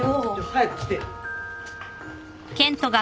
早く来て。